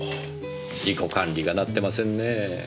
自己管理がなってませんねぇ。